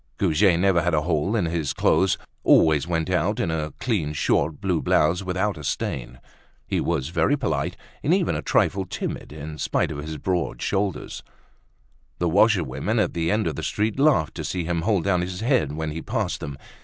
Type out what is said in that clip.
Goujet never had a hole in his clothes, always went out in a clean short blue blouse, without a stain. He was very polite, and even a trifle timid, in spite of his broad shoulders. The washerwomen at the end of the street laughed to see him hold down his head when he passed them.